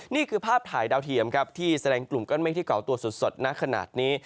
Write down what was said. นี่คือภาพถ่ายดาวเทียมครับที่แสดงกลุ่มก้อนเมฆที่เกาะตัวสดณขนาดนี้